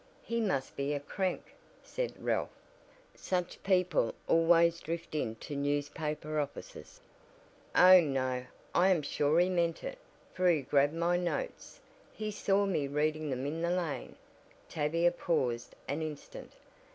'" "He must be a crank," said Ralph. "Such people always drift into newspaper offices." "Oh, no, I am sure he meant it, for he grabbed my notes. He saw me reading them in the lane," Tavia paused an instant.